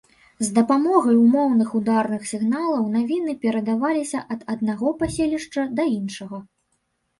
З дапамогай умоўных ударных сігналаў навіны перадаваліся ад аднаго паселішча да іншага.